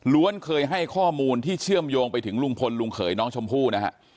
เคยให้ข้อมูลที่เชื่อมโยงไปถึงลุงพลลุงเขยน้องชมพู่นะฮะ